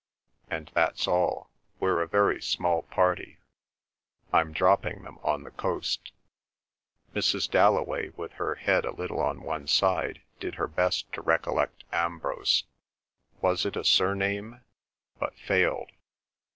And that's all. We're a very small party. I'm dropping them on the coast." Mrs. Dalloway, with her head a little on one side, did her best to recollect Ambrose—was it a surname?—but failed.